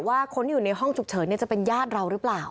ว่าคนที่อยู่ในห้องฉุกเฉินจะเป็นญาติเราหรือเปล่า